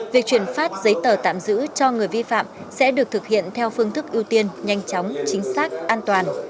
việc chuyển phát giấy tờ tạm giữ cho người vi phạm sẽ được thực hiện theo phương thức ưu tiên nhanh chóng chính xác an toàn